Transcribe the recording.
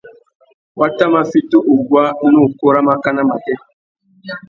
Wa tà mà fiti uguá ná ukú râ mákànà matê.